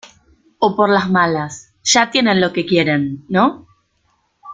o por las malas. ya tienen lo que quieren, ¿ no?